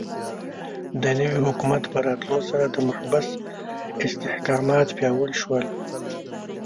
د نوي حکومت په راتلو سره د محبس استحکامات پیاوړي شول.